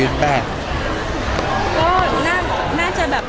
บ้านก็แบบแกไม่ชิ้นหมอกข้าวหน้าร้อนแล้วนะคะ